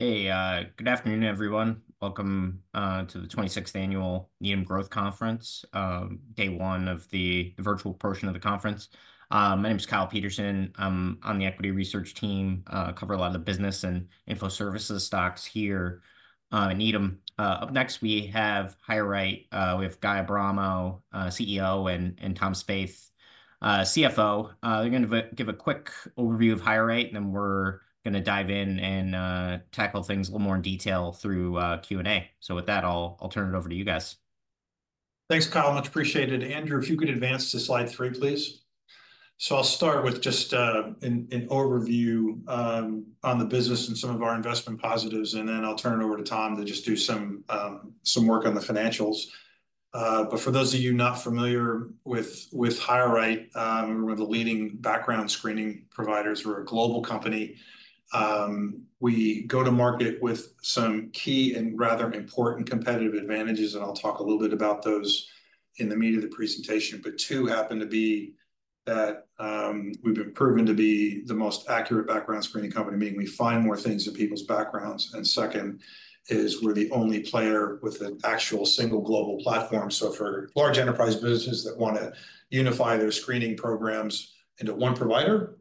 Good afternoon, everyone. Welcome to the 26th Annual Needham Growth Conference, day one of the virtual portion of the conference. My name is Kyle Peterson. I'm on the equity research team, I cover a lot of the business and info services stocks here in Needham. Up next, we have HireRight, we have Guy Abramo, CEO, and Tom Spaeth, CFO. They're gonna give a quick overview of HireRight, and then we're gonna dive in and tackle things a little more in detail through Q&A. So with that, I'll turn it over to you guys. Thanks, Kyle. Much appreciated. Andrew, if you could advance to slide 3, please. I'll start with just an overview on the business and some of our investment positives, and then I'll turn it over to Tom to just do some work on the financials. But for those of you not familiar with HireRight, we're the leading background screening providers. We're a global company. We go to market with some key and rather important competitive advantages, and I'll talk a little bit about those in the meat of the presentation. But two happen to be that we've been proven to be the most accurate background screening company, meaning we find more things in people's backgrounds. And second is, we're the only player with an actual single global platform. So for large enterprise businesses that wanna unify their screening programs into one provider,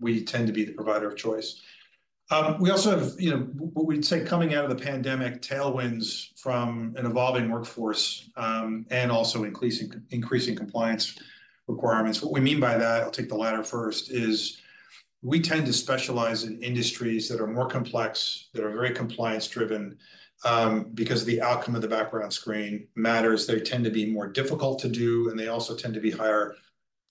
we tend to be the provider of choice. We also have, you know, what we'd say, coming out of the pandemic, tailwinds from an evolving workforce, and also increasing compliance requirements. What we mean by that, I'll take the latter first, is we tend to specialize in industries that are more complex, that are very compliance driven, because the outcome of the background screen matters. They tend to be more difficult to do, and they also tend to be higher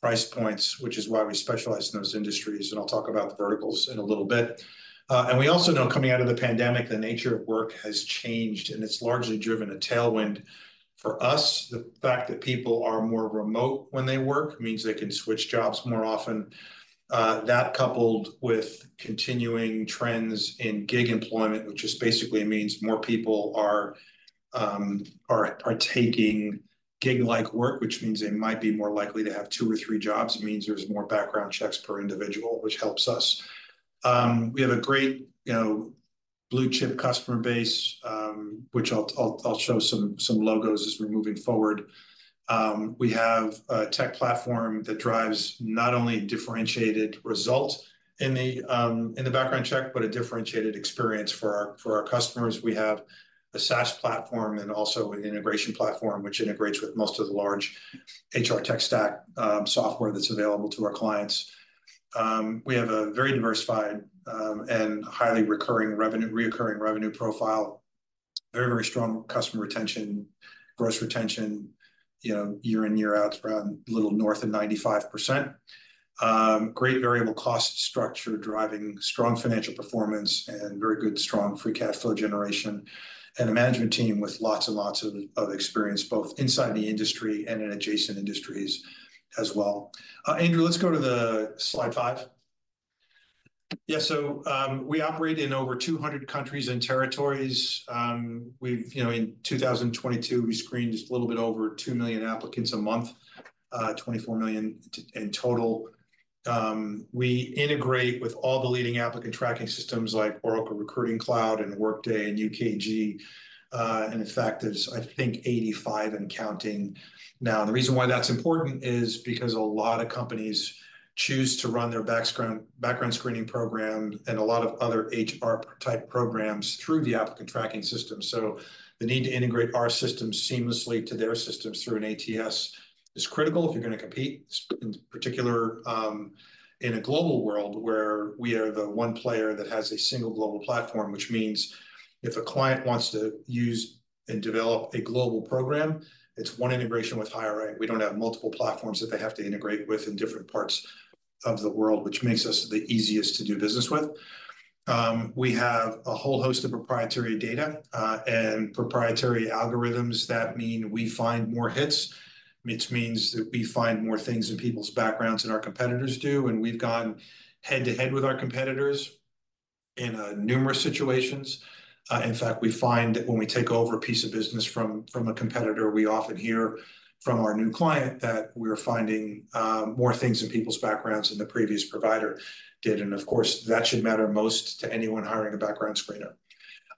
price points, which is why we specialize in those industries, and I'll talk about the verticals in a little bit. And we also know coming out of the pandemic, the nature of work has changed, and it's largely driven a tailwind for us. The fact that people are more remote when they work means they can switch jobs more often. That coupled with continuing trends in gig employment, which just basically means more people are taking gig-like work, which means they might be more likely to have two or three jobs. It means there's more background checks per individual, which helps us. We have a great, you know, blue-chip customer base, which I'll show some logos as we're moving forward. We have a tech platform that drives not only differentiated result in the background check, but a differentiated experience for our customers. We have a SaaS platform and also an integration platform, which integrates with most of the large HR tech stack, software that's available to our clients. We have a very diversified, and highly recurring revenue-- reoccurring revenue profile. Very, very strong customer retention, gross retention, you know, year in, year out, it's around a little north of 95%. Great variable cost structure, driving strong financial performance and very good, strong free cash flow generation, and a management team with lots and lots of experience, both inside the industry and in adjacent industries. Andrew, let's go to the slide 5. So, we operate in over 200 countries and territories. We've-- you know, in 2022, we screened just a little bit over 2 million applicants a month, 24 million in total. We integrate with all the leading applicant tracking systems like Oracle Recruiting Cloud and Workday and UKG, and in fact, there's, I think, 85 and counting. Now, the reason why that's important is because a lot of companies choose to run their background screening program and a lot of other HR-type programs through the applicant tracking system. So the need to integrate our systems seamlessly to their systems through an ATS is critical if you're gonna compete, in particular, in a global world where we are the one player that has a single global platform. Which means if a client wants to use and develop a global program, it's one integration with HireRight. We don't have multiple platforms that they have to integrate with in different parts of the world, which makes us the easiest to do business with. We have a whole host of proprietary data and proprietary algorithms that mean we find more hits, which means that we find more things in people's backgrounds than our competitors do, and we've gone head-to-head with our competitors in numerous situations. In fact, we find that when we take over a piece of business from a competitor, we often hear from our new client that we're finding more things in people's backgrounds than the previous provider did, and of course, that should matter most to anyone hiring a background screener.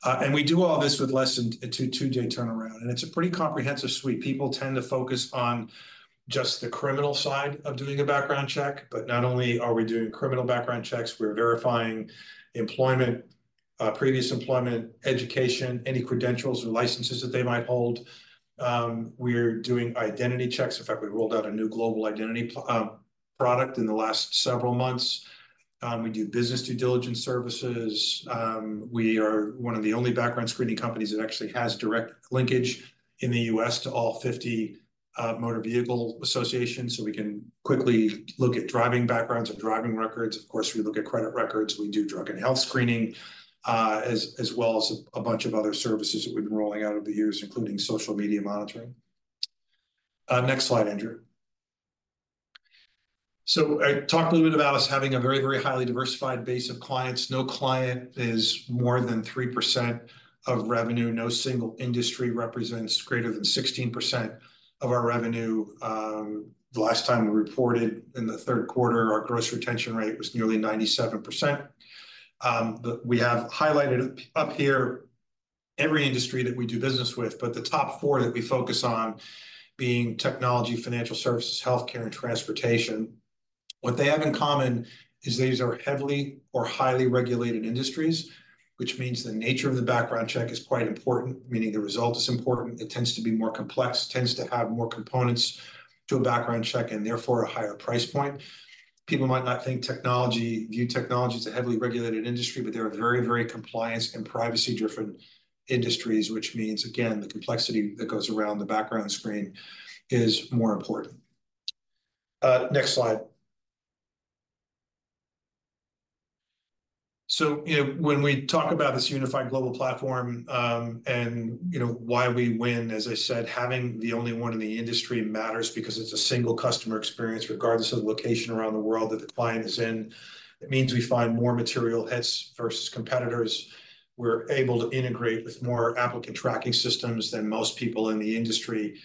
And we do all this with less than a two-day turnaround, and it's a pretty comprehensive suite. People tend to focus on just the criminal side of doing a background check, but not only are we doing criminal background checks, we're verifying employment, previous employment, education, any credentials or licenses that they might hold. We're doing identity checks. In fact, we rolled out a new global identity product in the last several months. We do business due diligence services. We are one of the only background screening companies that actually has direct linkage in the U.S. to all 50 motor vehicle associations, so we can quickly look at driving backgrounds or driving records. Of course, we look at credit records, we do drug and health screening, as a bunch of other services that we've been rolling out over the years, including social media monitoring. Next slide, Andrew. So I talked a little bit about us having a very, very highly diversified base of clients. No client is more than 3% of revenue. No single industry represents greater than 16% of our revenue. The last time we reported in the third quarter, our gross retention rate was nearly 97%. We have highlighted up here every industry that we do business with, but the top four that we focus on being technology, financial services, healthcare, and transportation. What they have in common is these are heavily or highly regulated industries, which means the nature of the background check is quite important, meaning the result is important. It tends to be more complex, tends to have more components to a background check, and therefore, a higher price point. People might not view technology as a heavily regulated industry, but they are very, very compliance and privacy-driven industries, which means, again, the complexity that goes around the background screen is more important. Next slide. So, you know, when we talk about this unified global platform, and you know, why we win, as I said, having the only one in the industry matters because it's a single customer experience, regardless of the location around the world that the client is in. It means we find more material hits versus competitors. We're able to integrate with more applicant tracking systems than most people in the industry.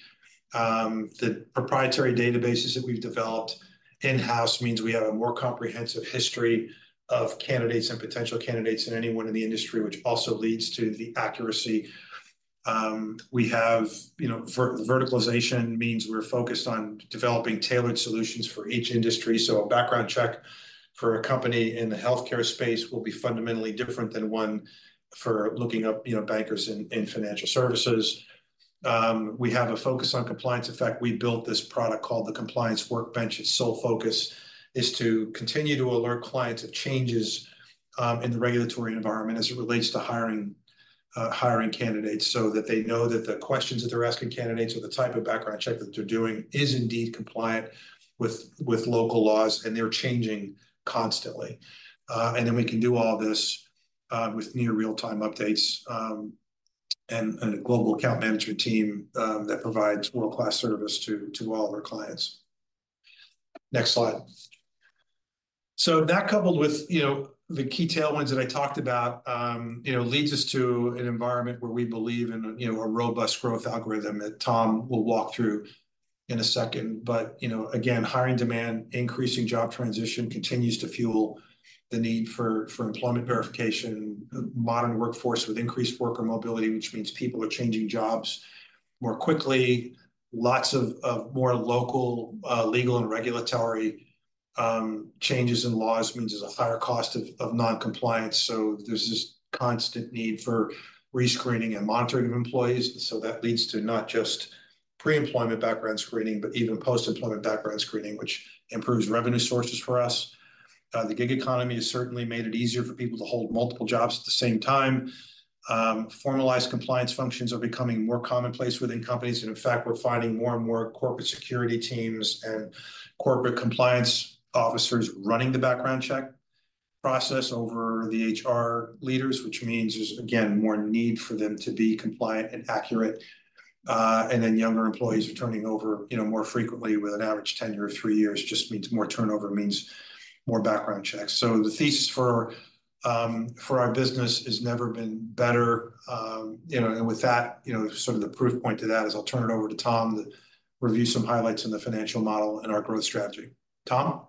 The proprietary databases that we've developed in-house means we have a more comprehensive history of candidates and potential candidates than anyone in the industry, which also leads to the accuracy. We have, you know, verticalization means we're focused on developing tailored solutions for each industry. So a background check for a company in the healthcare space will be fundamentally different than one for looking up, you know, bankers in financial services. We have a focus on compliance. In fact, we built this product called the Compliance Workbench. Its sole focus is to continue to alert clients of changes in the regulatory environment as it relates to hiring, hiring candidates, so that they know that the questions that they're asking candidates or the type of background check that they're doing is indeed compliant with local laws, and they're changing constantly. And then we can do all this with near real-time updates, and a global account management team that provides world-class service to all of our clients. Next slide. So that, coupled with, you know, the key tailwinds that I talked about, you know, leads us to an environment where we believe in, you know, a robust growth algorithm that Tom will walk through in a second. But, you know, again, hiring demand, increasing job transition continues to fuel the need for, for employment verification. Modern workforce with increased worker mobility, which means people are changing jobs more quickly. Lots of, of more local, legal and regulatory, changes in laws means there's a higher cost of, of non-compliance, so there's this constant need for rescreening and monitoring of employees. So that leads to not just pre-employment background screening, but even post-employment background screening, which improves revenue sources for us. The gig economy has certainly made it easier for people to hold multiple jobs at the same time. Formalized compliance functions are becoming more commonplace within companies, and in fact, we're finding more and more corporate security teams and corporate compliance officers running the background check process over the HR leaders, which means there's, again, more need for them to be compliant and accurate. And then younger employees are turning over, you know, more frequently, with an average tenure of three years, just means more turnover, means more background checks. So the thesis for our business has never been better. You know, and with that, you know, the proof point to that is I'll turn it over to Tom to review some highlights in the financial model and our growth strategy. Tom?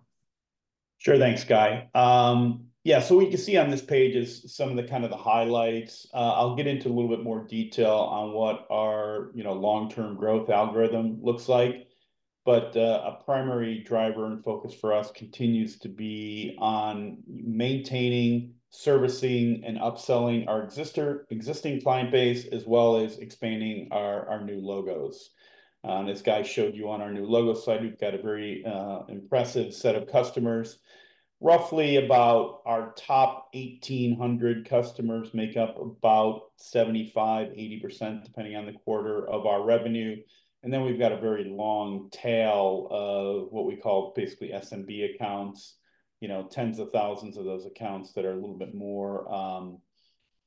Sure, thanks, Guy. So what you can see on this page is some of the the highlights. I'll get into a little bit more detail on what our, you know, long-term growth algorithm looks like. But a primary driver and focus for us continues to be on maintaining, servicing, and upselling our existing client base, as expanding our, our new logos. And as Guy showed you on our new logo slide, we've got a very impressive set of customers. Roughly about our top 1,800 customers make up about 75%-80%, depending on the quarter, of our revenue. And then we've got a very long tail of what we call basically SMB accounts. You know, tens of thousands of those accounts that are a little bit more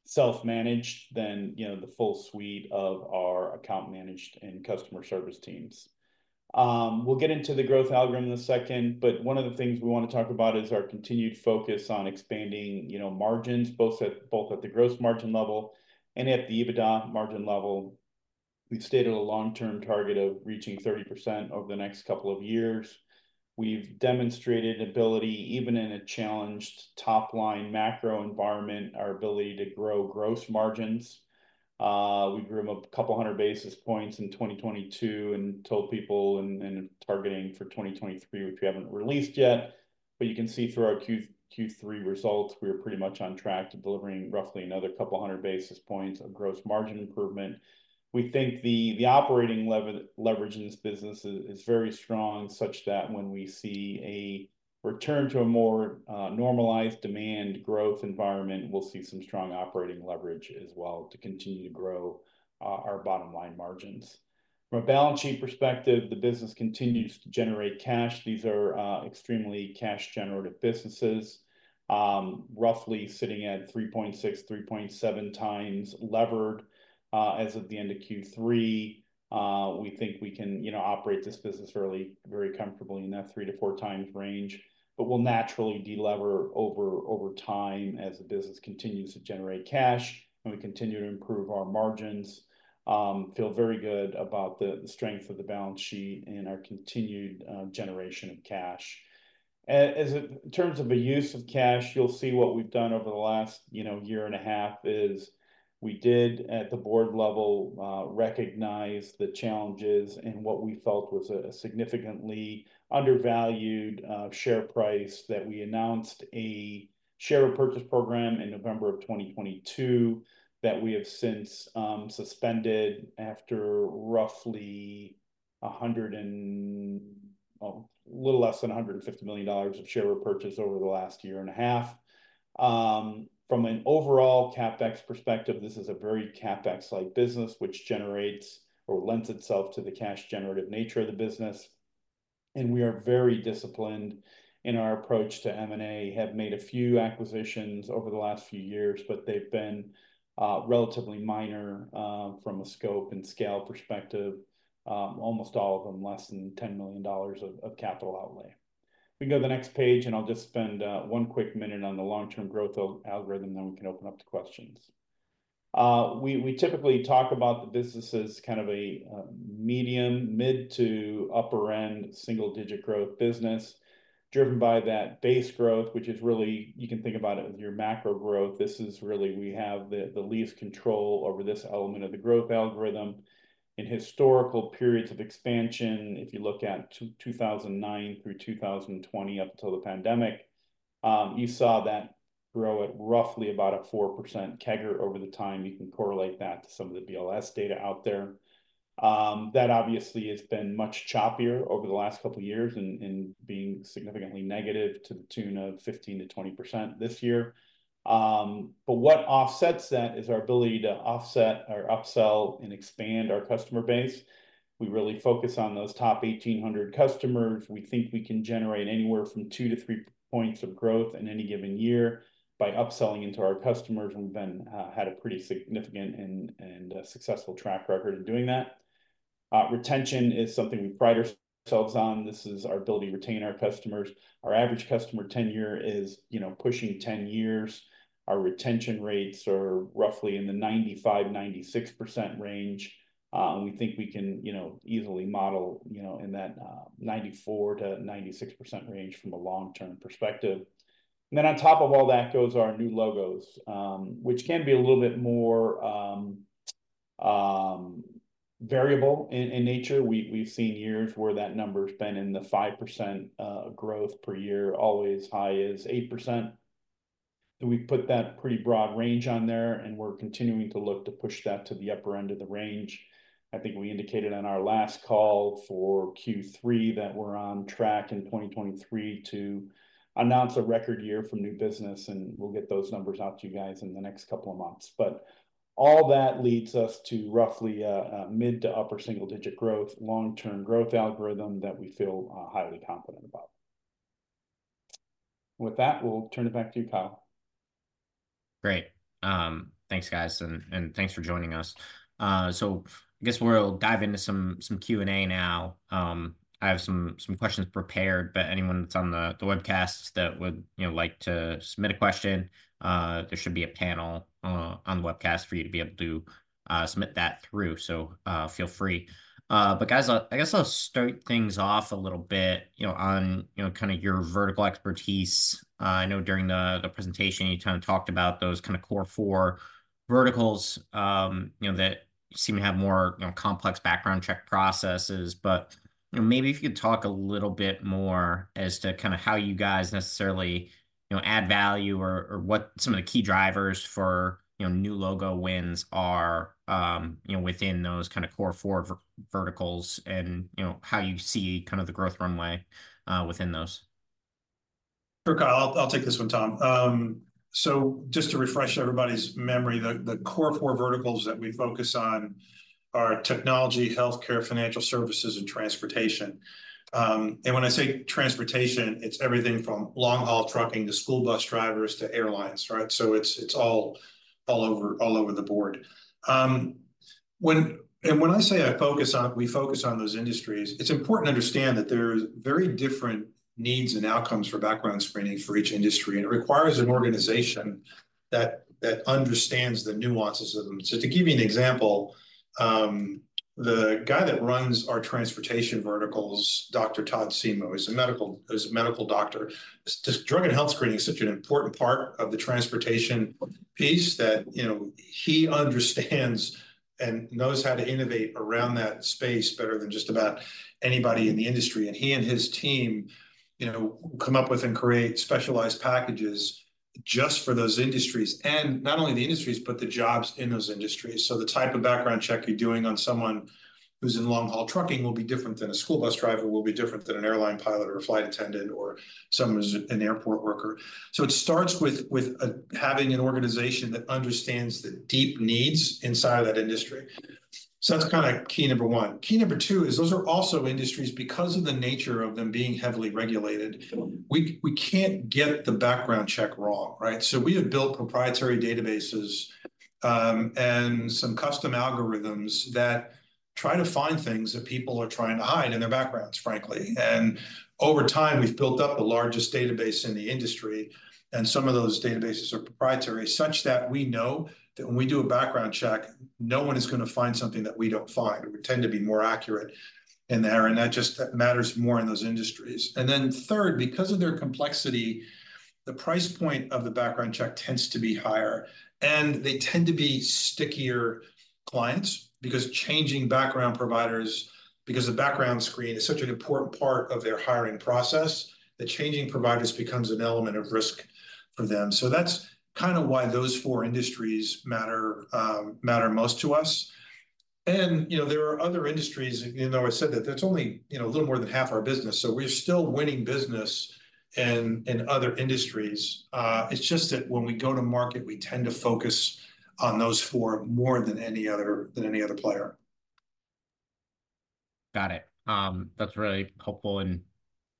self-managed than, you know, the full suite of our account managed and customer service teams. We'll get into the growth algorithm in a second, but one of the things we wanna talk about is our continued focus on expanding, you know, margins, both at the gross margin level and at the EBITDA margin level. We've stated a long-term target of reaching 30% over the next couple of years. We've demonstrated ability, even in a challenged top-line macro environment, our ability to grow gross margins. We grew them up a couple hundred basis points in 2022 and told people and targeting for 2023, which we haven't released yet. But you can see through our second, Q3 results, we are pretty much on track to delivering roughly another 200 basis points of gross margin improvement. We think the operating leverage in this business is very strong, such that when we see a return to a more normalized demand growth environment, we'll see some strong operating leverage to continue to grow our bottom-line margins. From a balance sheet perspective, the business continues to generate cash. These are extremely cash-generative businesses, roughly sitting at 3.6, 3.7 times levered, as of the end of Q3. We think we can, you know, operate this business really very comfortably in that 3-4 times range, but we'll naturally de-lever over time as the business continues to generate cash, and we continue to improve our margins. Feel very good about the strength of the balance sheet and our continued generation of cash. As in terms of the use of cash, you'll see what we've done over the last, you know, year and a half is we did, at the board level, recognize the challenges and what we felt was a significantly undervalued share price, that we announced a share repurchase program in November of 2022, that we have since suspended after roughly 100 and a little less than $150 million of share repurchase over the last year and a half. From an overall CapEx perspective, this is a very CapEx-like business, which generates or lends itself to the cash-generative nature of the business. And we are very disciplined in our approach to M&A. Have made a few acquisitions over the last few years, but they've been relatively minor from a scope and scale perspective. Almost all of them less than $10 million of capital outlay. We can go to the next page, and I'll just spend one quick minute on the long-term growth algorithm, then we can open up to questions. We typically talk about the business as a medium, mid- to upper-end, single-digit growth business, driven by that base growth, which is really-- you can think about it as your macro growth. This is really-- we have the least control over this element of the growth algorithm. In historical periods of expansion, if you look at 2009 through 2020, up until the pandemic, you saw that grow at roughly about a 4% CAGR over the time. You can correlate that to some of the BLS data out there. That obviously has been much choppier over the last couple of years, in being significantly negative to the tune of 15%-20% this year. But what offsets that is our ability to offset or upsell and expand our customer base. We really focus on those top 1,800 customers. We think we can generate anywhere from 2-3 points of growth in any given year by upselling into our customers, and we've had a pretty significant and successful track record in doing that. Retention is something we pride ourselves on. This is our ability to retain our customers. Our average customer tenure is, you know, pushing 10 years. Our retention rates are roughly in the 95%-96% range. And we think we can, you know, easily model, you know, in that 94%-96% range from a long-term perspective. Then on top of all that goes our new logos, which can be a little bit more variable in nature. We've seen years where that number's been in the 5% growth per year, all the way as high as 8%. So we've put that pretty broad range on there, and we're continuing to look to push that to the upper end of the range. I think we indicated on our last call for Q3 that we're on track in 2023 to announce a record year for new business, and we'll get those numbers out to you guys in the next couple of months. But all that leads us to roughly a mid- to upper single-digit growth, long-term growth algorithm that we feel highly confident about. With that, we'll turn it back to you, Kyle. Great. Thanks, guys, and thanks for joining us. So I guess we'll dive into some Q&A now. I have some questions prepared, but anyone that's on the webcast that would, you know, like to submit a question, there should be a panel on the webcast for you to be able to submit that through, so, feel free. But guys, I guess I'll start things off a little bit, you know, on, you know, kinda your vertical expertise. I know during the presentation, you kinda talked about those kinda core four verticals, you know, that seem to have more, you know, complex background check processes. You know, maybe if you could talk a little bit more as to kinda how you guys necessarily, you know, add value, or what some of the key drivers for, you know, new logo wins are, within those kinda core four verticals and, you know, how you see the growth runway within those? Sure, Kyle. I'll take this one, Tom. So just to refresh everybody's memory, the core four verticals that we focus on are technology, healthcare, financial services, and transportation. And when I say transportation, it's everything from long-haul trucking to school bus drivers to airlines, right? So it's all over the board. And when we focus on those industries, it's important to understand that there are very different needs and outcomes for background screening for each industry, and it requires an organization that understands the nuances of them. So to give you an example, the guy that runs our transportation verticals, Dr. Todd Simo, is a medical doctor. Just drug and health screening is such an important part of the transportation piece that, you know, he understands and knows how to innovate around that space better than just about anybody in the industry. And he and his team, you know, come up with and create specialized packages just for those industries, and not only the industries, but the jobs in those industries. So the type of background check you're doing on someone who's in long-haul trucking will be different than a school bus driver, will be different than an airline pilot or a flight attendant or someone who's an airport worker. So it starts with, with, having an organization that understands the deep needs inside of that industry. So that's kinda key number one. Key number two is, those are also industries, because of the nature of them being heavily regulated, we can't get the background check wrong, right? So we have built proprietary databases, and some custom algorithms that try to find things that people are trying to hide in their backgrounds, frankly. And over time, we've built up the largest database in the industry, and some of those databases are proprietary, such that we know that when we do a background check, no one is gonna find something that we don't find. We tend to be more accurate in there, and that just matters more in those industries. And then third, because of their complexity, the price point of the background check tends to be higher, and they tend to be stickier clients. Because the background screening is such an important part of their hiring process, that changing providers becomes an element of risk for them. That's kinda why those four industries matter most to us. And, you know, there are other industries, even though I said that that's only, you know, a little more than half our business, so we're still winning business in other industries. It's just that when we go to market, we tend to focus on those four more than any other player. Got it. That's really helpful, and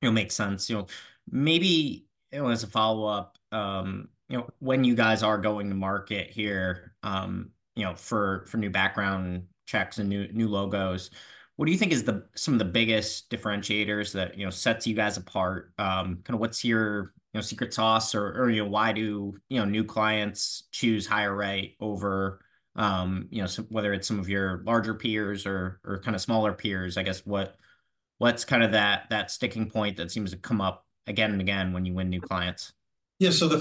you know, makes sense. You know, maybe as a follow-up, you know, when you guys are going to market here, you know, for new background checks and new logos, what do you think is some of the biggest differentiators that you know sets you guys apart? what's your you know secret sauce or you know why do you know new clients choose HireRight over you know whether it's some of your larger peers or smaller peers? I guess what's that sticking point that seems to come up again and again when you win new clients? So the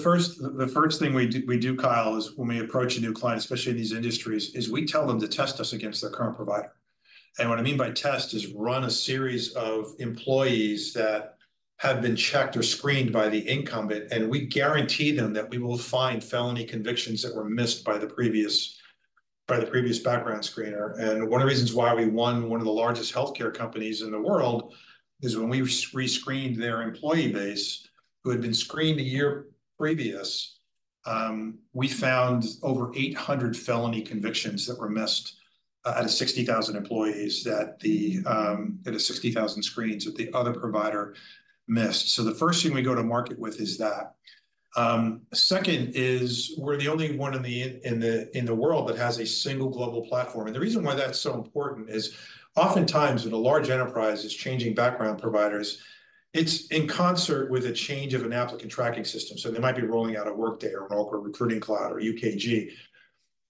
first thing we do, Kyle, is when we approach a new client, especially in these industries, is we tell them to test us against their current provider. And what I mean by test is run a series of employees that have been checked or screened by the incumbent, and we guarantee them that we will find felony convictions that were missed by the previous background screener. And one of the reasons why we won one of the largest healthcare companies in the world is when we re-screened their employee base, who had been screened a year previous, we found over 800 felony convictions that were missed out of 60,000 employees out of 60,000 screens that the other provider missed. So the first thing we go to market with is that. second is, we're the only one in the world that has a single global platform. And the reason why that's so important is oftentimes, when a large enterprise is changing background providers, it's in concert with a change of an applicant tracking system. So they might be rolling out a Workday, or an Oracle Recruiting Cloud, or UKG.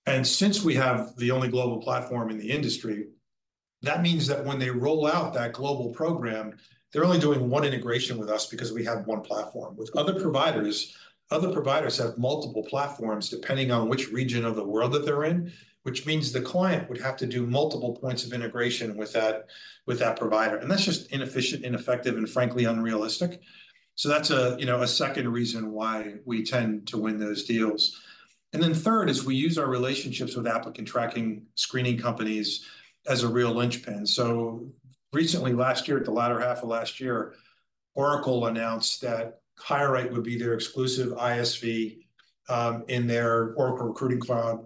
And since we have the only global platform in the industry, that means that when they roll out that global program, they're only doing one integration with us because we have one platform. With other providers, other providers have multiple platforms, depending on which region of the world that they're in, which means the client would have to do multiple points of integration with that provider, and that's just inefficient, ineffective, and frankly, unrealistic. So that's a, you know, a second reason why we tend to win those deals. And then third is, we use our relationships with applicant tracking screening companies as a real linchpin. So recently, last year, the latter half of last year, Oracle announced that HireRight would be their exclusive ISV in their Oracle Recruiting Cloud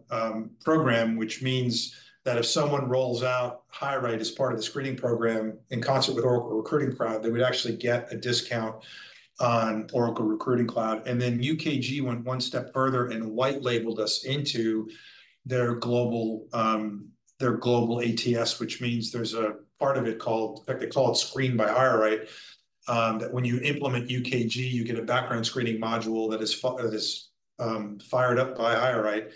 program, which means that if someone rolls out HireRight as part of the screening program in concert with Oracle Recruiting Cloud, they would actually get a discount on Oracle Recruiting Cloud. And then UKG went one step further and white labeled us into their global, their global ATS, which means there's a part of it called. In fact, they call it Screen by HireRight, that when you implement UKG, you get a background screening module that is fired up by HireRight,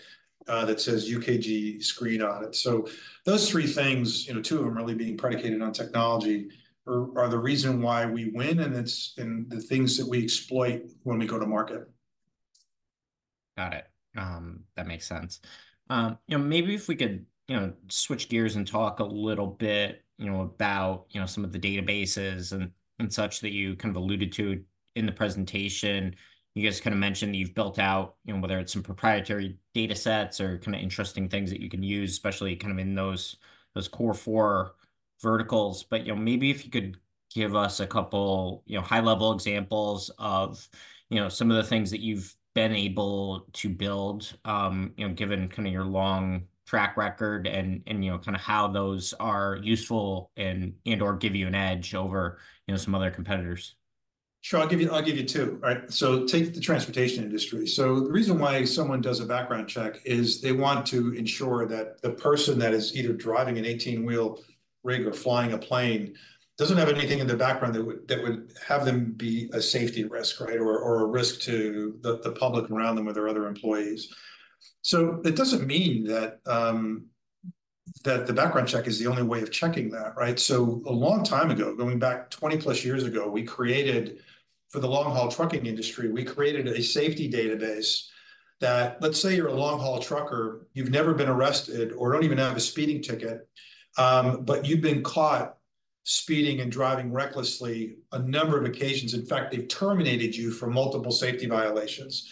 that says UKG Screen on it. So those three things, you know, two of them really being predicated on technology, are the reason why we win, and it's and the things that we exploit when we go to market. Got it. That makes sense. You know, maybe if we could, you know, switch gears and talk a little bit, you know, about, you know, some of the databases and such that you alluded to in the presentation. You guys mentioned that you've built out, you know, whether it's some proprietary data sets or nteresting things that you can use, especially in those core four verticals. But, you know, maybe if you could give us a couple, you know, high-level examples of, you know, some of the things that you've been able to build, you know, given your long track record and you know, how those are useful and/or give you an edge over, you know, some other competitors. Sure. I'll give you, I'll give you two. All right, so take the transportation industry. So the reason why someone does a background check is they want to ensure that the person that is either driving an 18-wheel rig or flying a plane doesn't have anything in their background that would, that would have them be a safety risk, right? Or a risk to the public around them or their other employees. So it doesn't mean that the background check is the only way of checking that, right? So a long time ago, going back 20+ years ago, we created. For the long-haul trucking industry, we created a safety database that, let's say you're a long-haul trucker, you've never been arrested or don't even have a speeding ticket, but you've been caught speeding and driving recklessly a number of occasions. In fact, they've terminated you for multiple safety violations.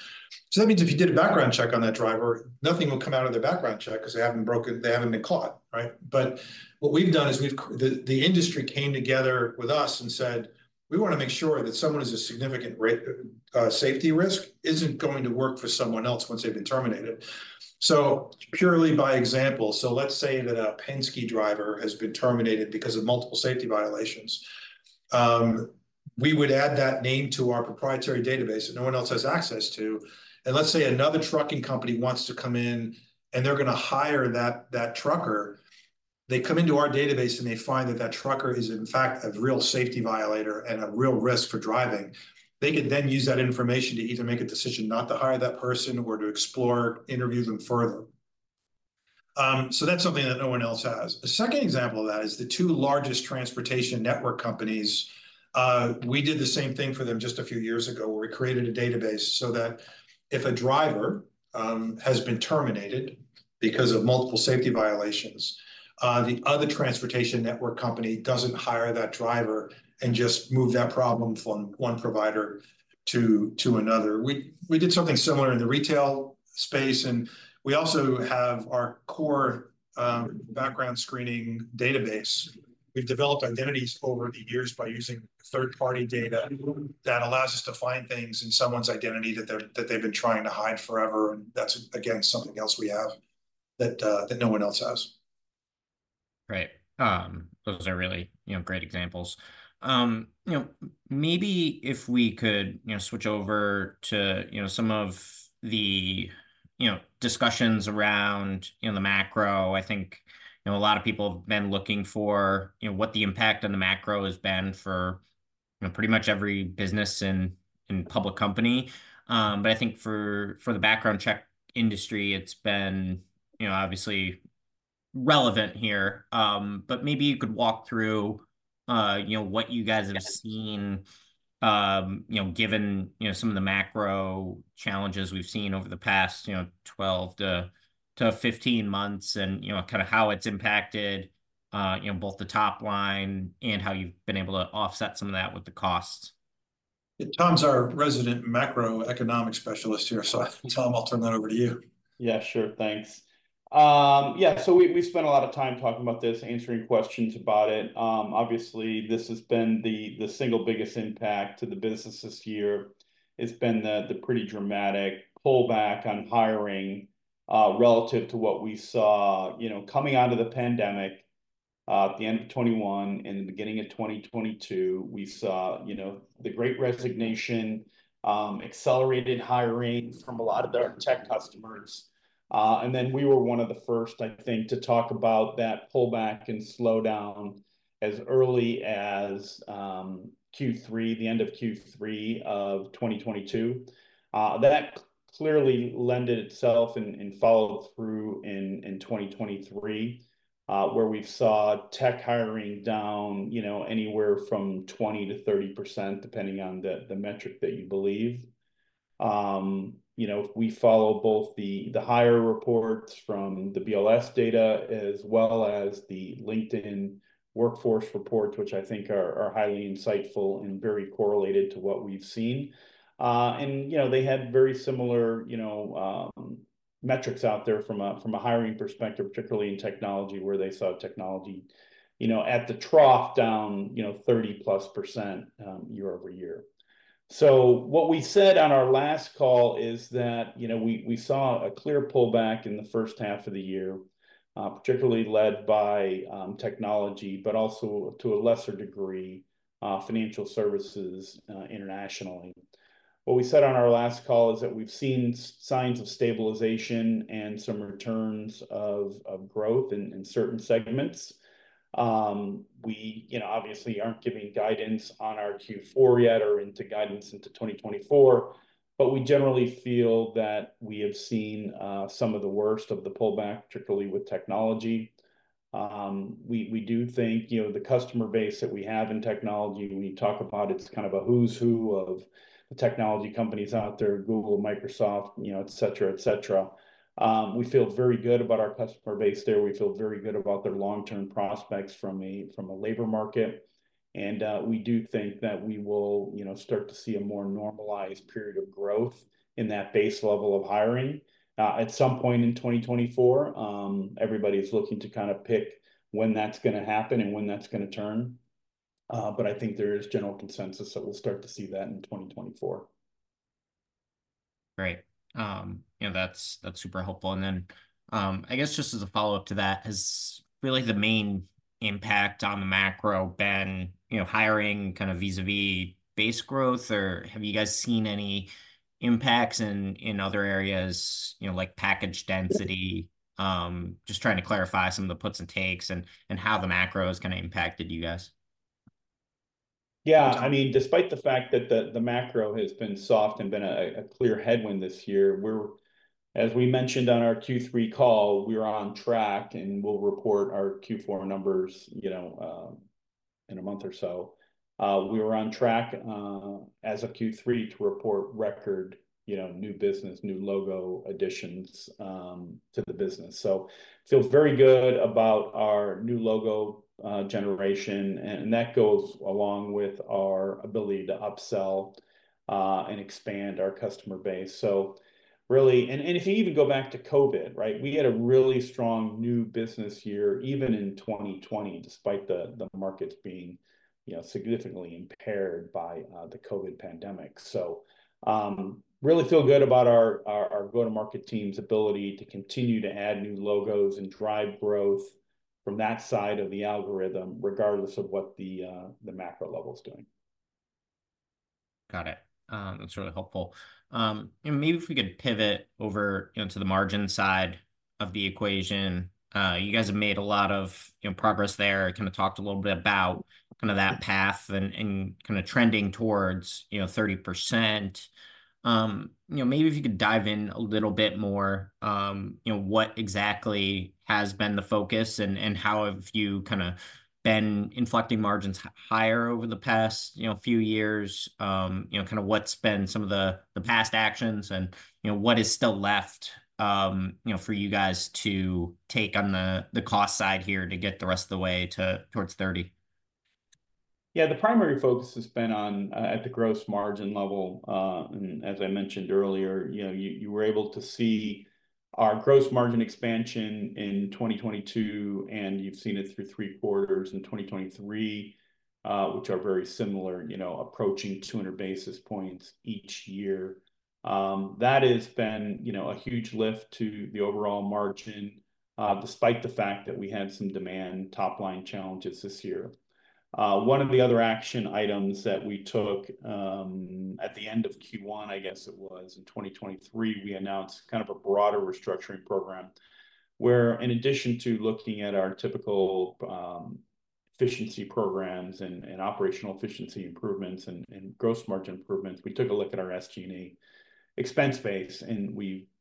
So that means if you did a background check on that driver, nothing will come out of their background check because they haven't broken- they haven't been caught, right? But what we've done is the industry came together with us and said: "We wanna make sure that someone who's a significant safety risk isn't going to work for someone else once they've been terminated." So purely by example, so let's say that a Penske driver has been terminated because of multiple safety violations. We would add that name to our proprietary database that no one else has access to. And let's say another trucking company wants to come in, and they're gonna hire that trucker. They come into our database, and they find that that trucker is, in fact, a real safety violator and a real risk for driving. They can then use that information to either make a decision not to hire that person or to explore, interview them further. So that's something that no one else has. A second example of that is the two largest transportation network companies. We did the same thing for them just a few years ago, where we created a database so that if a driver has been terminated because of multiple safety violations, the other transportation network company doesn't hire that driver and just move that problem from one provider to another. We did something similar in the retail space, and we also have our core background screening database. We've developed identities over the years by using third-party data that allows us to find things in someone's identity that they've been trying to hide forever, and that's, again, something else we have that no one else has. Right. Those are really, you know, great examples. You know, maybe if we could, you know, switch over to, you know, some of the, you know, discussions around, you know, the macro. I think, you know, a lot of people have been looking for, you know, what the impact on the macro has been for, you know, pretty much every business and public company. But I think for the background check industry, it's been, you know, obviously relevant here. But maybe you could walk through what you guys have seen, you know, given, you know, some of the macro challenges we've seen over the past, you know, 12-15 months, and, you know, how it's impacted both the top line and how you've been able to offset some of that with the costs. Tom's our resident macroeconomics specialist here, so Tom, I'll turn that over to you. Sure. Thanks. So we spent a lot of time talking about this, answering questions about it. Obviously, this has been the single biggest impact to the business this year. It's been the pretty dramatic pullback on hiring, relative to what we saw, you know, coming out of the pandemic, at the end of 2021 and the beginning of 2022. We saw, you know, the Great Resignation, accelerated hiring from a lot of our tech customers. And then we were one of the first, I think, to talk about that pullback and slowdown as early as, Q3, the end of Q3 of 2022. That clearly lent itself and followed through in 2023, where we saw tech hiring down, you know, anywhere from 20%-30%, depending on the metric that you believe. You know, we follow both the hiring reports from the BLS data, as the LinkedIn Workforce Reports, which I think are highly insightful and very correlated to what we've seen. You know, they had very similar, you know, metrics out there from a hiring perspective, particularly in technology, where they saw technology, you know, at the trough down, you know, 30%+, year-over-year. So what we said on our last call is that, you know, we saw a clear pullback in the H1 of the year, particularly led by technology, but also, to a lesser degree, financial services, internationally. What we said on our last call is that we've seen signs of stabilization and some returns of growth in certain segments. We, you know, obviously aren't giving guidance on our Q4 yet or into guidance into 2024, but we generally feel that we have seen some of the worst of the pullback, particularly with technology. We do think, you know, the customer base that we have in technology, when you talk about it, it's a who's who of the technology companies out there: Google, Microsoft, you know, et cetera, et cetera. We feel very good about our customer base there. We feel very good about their long-term prospects from a labor market. We do think that we will, you know, start to see a more normalized period of growth in that base level of hiring at some point in 2024. Everybody's looking to pick when that's gonna happen and when that's gonna turn, but I think there is general consensus that we'll start to see that in 2024. Great. You know, that's, that's super helpful. And then, I guess just as a follow-up to that, has really the main impact on the macro been, you know, hiring vis-à-vis base growth, or have you guys seen any impacts in, in other areas, you know, like package density? Just trying to clarify some of the puts and takes, and, and how the macro has impacted you guys. I mean, despite the fact that the macro has been soft and been a clear headwind this year, we're. As we mentioned on our Q3 call, we're on track, and we'll report our Q4 numbers, you know, in a month or so. We were on track, as of Q3 to report record, you know, new business, new logo additions, to the business. So feel very good about our new logo generation, and that goes along with our ability to upsell and expand our customer base. So really, and if you even go back to COVID, right? We had a really strong new business year, even in 2020, despite the markets being, you know, significantly impaired by the COVID pandemic. Really feel good about our go-to-market team's ability to continue to add new logos and drive growth from that side of the algorithm, regardless of what the macro level's doing. Got it. That's really helpful. And maybe if we could pivot over, you know, to the margin side of the equation. You guys have made a lot of, you know, progress there, talked a little bit about that path and, and trending towards, you know, 30%. You know, maybe if you could dive in a little bit more, you know, what exactly has been the focus, and, and how have you been inflecting margins higher over the past, you know, few years? You know, what's been some of the, the past actions and, you know, what is still left, you know, for you guys to take on the, the cost side here to get the rest of the way to towards 30? The primary focus has been on at the gross margin level. As I mentioned earlier, you know, you, you were able to see our gross margin expansion in 2022, and you've seen it through three quarters in 2023, which are very similar, you know, approaching 200 basis points each year. That has been, you know, a huge lift to the overall margin, despite the fact that we had some demand top-line challenges this year. One of the other action items that we took at the end of Q1, I guess it was, in 2023, we announced a broader restructuring program, where in addition to looking at our typical efficiency programs and operational efficiency improvements and gross margin improvements, we took a look at our SG&A expense base, and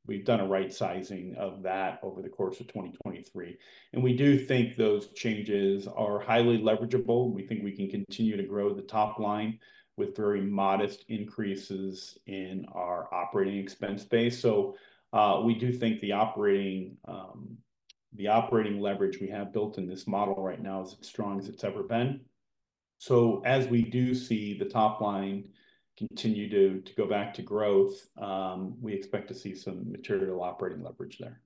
we've done a right sizing of that over the course of 2023. And we do think those changes are highly leverageable. We think we can continue to grow the top line with very modest increases in our operating expense base. We do think the operating leverage we have built in this model right now is as strong as it's ever been. So as we do see the top line continue to go back to growth, we expect to see some material operating leverage there.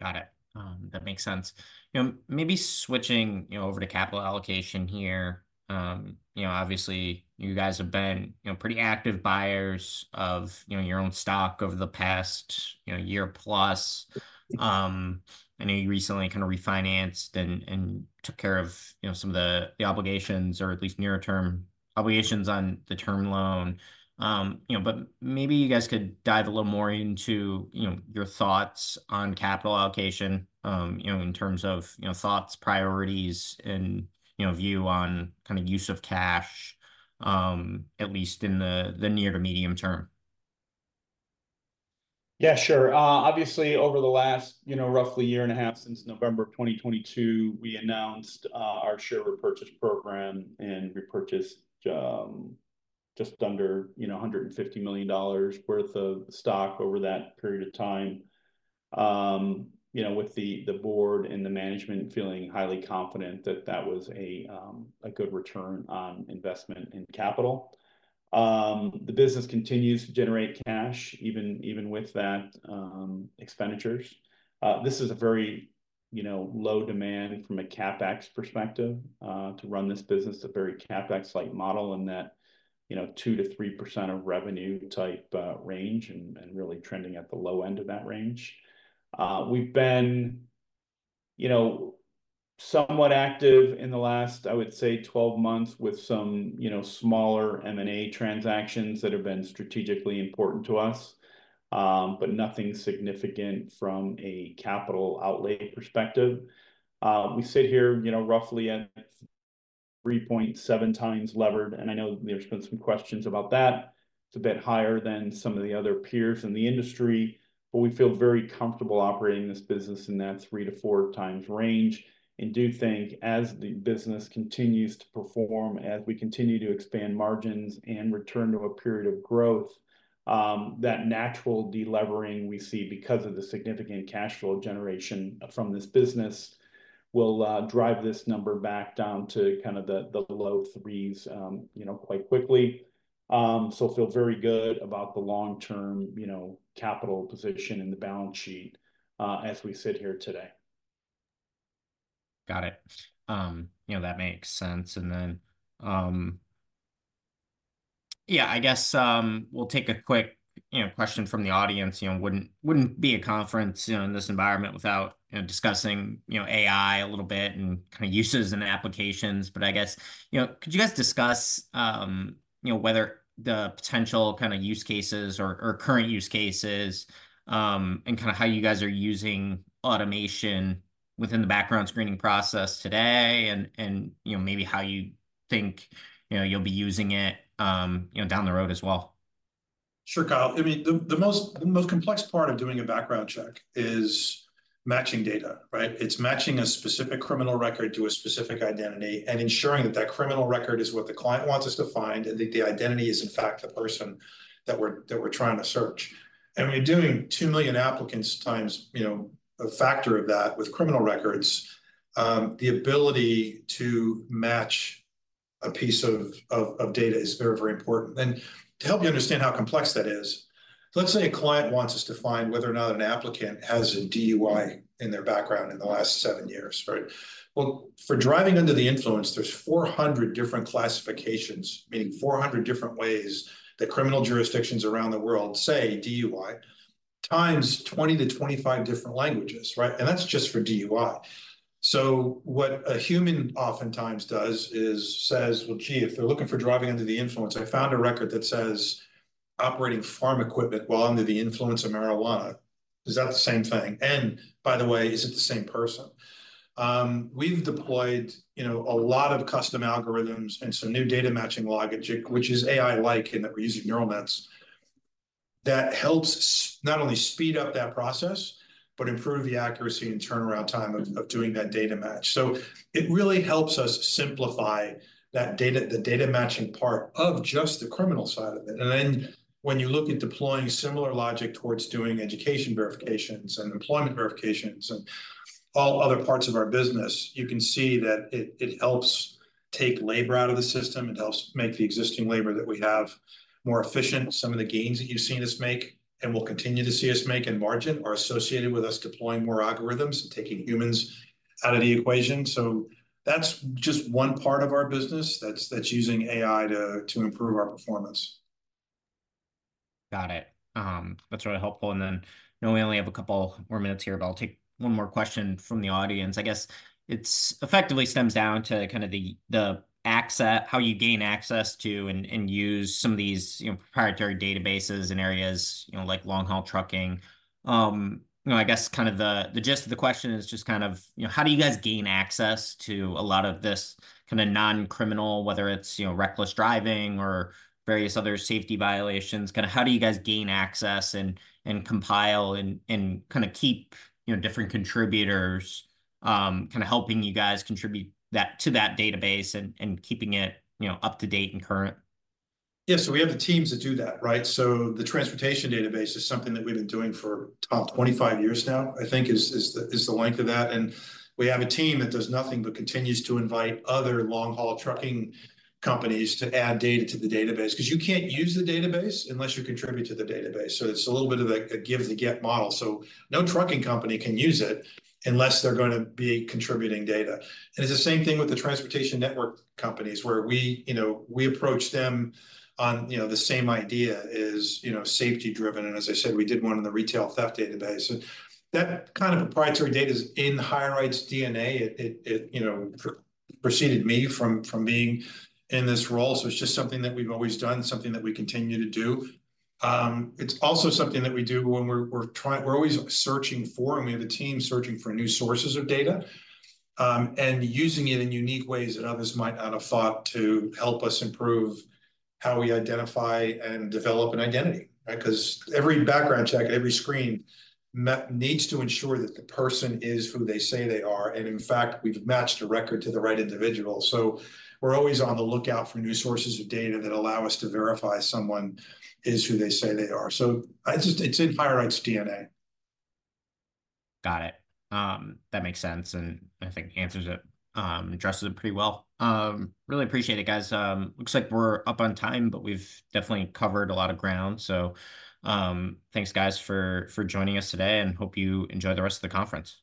Got it. That makes sense. You know, maybe switching, you know, over to capital allocation here. You know, obviously, you guys have been, you know, pretty active buyers of, you know, your own stock over the past, you know, year plus. I know you recently refinanced and, and took care of, you know, some of the, the obligations, or at least nearer-term obligations on the term loan. You know, but maybe you guys could dive a little more into, you know, your thoughts on capital allocation, you know, in terms of, you know, thoughts, priorities, and, you know, view on use of cash, at least in the, the near to medium term. Sure. Obviously, over the last, you know, roughly year and a half, since November of 2022, we announced our share repurchase program and repurchased just under, you know, $150 million worth of stock over that period of time. You know, with the board and the management feeling highly confident that that was a good return on investment in capital. The business continues to generate cash, even with that expenditures. This is a very, you know, low demand from a CapEx perspective to run this business, a very CapEx-like model in that, you know, 2%-3% of revenue type range and really trending at the low end of that range. We've been, you know, somewhat active in the last, I would say, 12 months with some, you know, smaller M&A transactions that have been strategically important to us, but nothing significant from a capital outlay perspective. We sit here, you know, roughly at 3.7x levered, and I know there's been some questions about that. It's a bit higher than some of the other peers in the industry, but we feel very comfortable operating this business in that 3-4x range, and do think as the business continues to perform, as we continue to expand margins and return to a period of growth, that natural de-levering we see because of the significant cash flow generation from this business will, drive this number back down to the, the low 3s, you know, quite quickly. So feel very good about the long-term, you know, capital position in the balance sheet, as we sit here today. Got it. You know, that makes sense. And then, I guess, we'll take a quick, you know, question from the audience. You know, wouldn't be a conference, you know, in this environment without, you know, discussing, you know, AI a little bit and uses and applications. But I guess, you know, could you guys discuss, you know, whether the potential use cases or current use cases, and how you guys are using automation within the background screening process today and, you know, maybe how you think, you know, you'll be using it, you know, down the road? Sure, Kyle. I mean, the most complex part of doing a background check is matching data, right? It's matching a specific criminal record to a specific identity and ensuring that that criminal record is what the client wants us to find, and the identity is, in fact, the person that we're trying to search. And we're doing 2 million applicants times, you know, a factor of that with criminal records. The ability to match a piece of data is very, very important. And to help you understand how complex that is, let's say a client wants us to find whether or not an applicant has a DUI in their background in the last 7 years, right? For driving under the influence, there's 400 different classifications, meaning 400 different ways that criminal jurisdictions around the world say DUI, times 20-25 different languages, right? And that's just for DUI. So what a human oftentimes does is says: "Gee, if they're looking for driving under the influence, I found a record that says, 'Operating farm equipment while under the influence of marijuana.' Is that the same thing? And by the way, is it the same person?" We've deployed, you know, a lot of custom algorithms and some new data matching logic, which is AI-like, in that we're using neural nets. That helps not only speed up that process but improve the accuracy and turnaround time of, of doing that data match. So it really helps us simplify that data. The data matching part of just the criminal side of it. And then, when you look at deploying similar logic towards doing education verifications and employment verifications and all other parts of our business, you can see that it helps take labor out of the system. It helps make the existing labor that we have more efficient. Some of the gains that you've seen us make, and will continue to see us make in margin, are associated with us deploying more algorithms and taking humans out of the equation. So that's just one part of our business that's using AI to improve our performance. Got it. That's really helpful. And then, I know we only have a couple more minutes here, but I'll take one more question from the audience. I guess, it's effectively stems down to the, the access, how you gain access to and use some of these, you know, proprietary databases in areas, you know, like long-haul trucking. You know, I guess the, the gist of the question is just you know, how do you guys gain access to a lot of this non-criminal, whether it's, you know, reckless driving or various other safety violations? Kinda how do you guys gain access and compile and kinda keep, you know, different contributors, kinda helping you guys contribute that, to that database and keeping it, you know, up-to-date and current? So we have the teams that do that, right? So the transportation database is something that we've been doing for about 25 years now. I think is the length of that. And we have a team that does nothing but continues to invite other long-haul trucking companies to add data to the database. 'Cause you can't use the database unless you contribute to the database, so it's a little bit of a give to get model. So no trucking company can use it unless they're gonna be contributing data. And it's the same thing with the transportation network companies, where we, you know, we approach them on, you know, the same idea is, you know, safety-driven. And as I said, we did one in the retail theft database. And that proprietary data is in HireRight's DNA. It, you know, preceded me from being in this role, so it's just something that we've always done, something that we continue to do. It's also something that we do when we're always searching for, and we have a team searching for new sources of data, and using it in unique ways that others might not have thought to help us improve how we identify and develop an identity, right? 'Cause every background check, every screening needs to ensure that the person is who they say they are, and in fact, we've matched a record to the right individual. So we're always on the lookout for new sources of data that allow us to verify someone is who they say they are. So it's just, it's in HireRight's DNA. Got it. That makes sense, and I think answers it, addresses it pretty well. Really appreciate it, guys. Looks like we're up on time, but we've definitely covered a lot of ground. So, thanks, guys, for joining us today, and hope you enjoy the rest of the conference.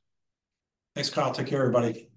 Thanks, Kyle. Take care, everybody.